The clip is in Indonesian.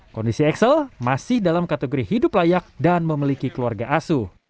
kondisi axel masih dalam kategori hidup layak dan memiliki keluarga asuh